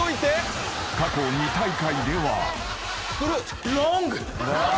［過去２大会では］なあ。